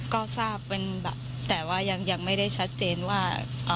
ก็ทราบเป็นแบบแต่ว่ายังไม่ได้ชัดเจนว่า